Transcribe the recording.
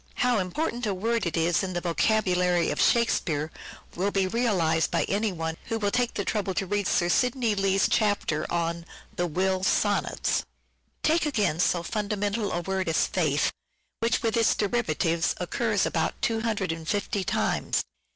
How important a word it is in the vocabulary of Shakespeare will be realized by any one who will take the trouble to read Sir Sidney Lee's chapter on the " Will " sonnets. 'THE TEMPEST' 523 Take again so fundamental a word as " faith," which, with its derivatives, occurs about 250 times.